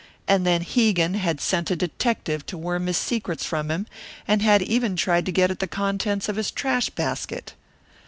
And then Hegan had sent a detective to worm his secrets from him, and had even tried to get at the contents of his trash basket!